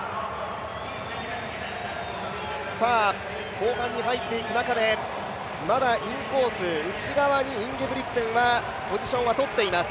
後半に入っていく中で、まだインコース、内側にインゲブリクセンはポジションをとっています。